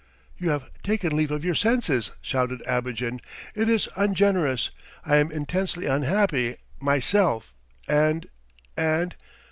"You have taken leave of your senses," shouted Abogin. "It is ungenerous. I am intensely unhappy myself and ... and